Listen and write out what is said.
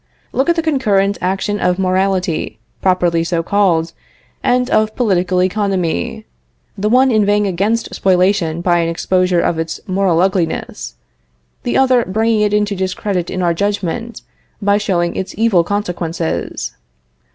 Look at the concurrent action of morality, properly so called, and of political economy the one inveighing against spoliation by an exposure of its moral ugliness, the other bringing it into discredit in our judgment, by showing its evil consequences.